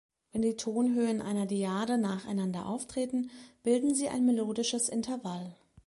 Wenn die Tonhöhen einer Dyade nacheinander auftreten, bilden sie ein melodisches Intervall.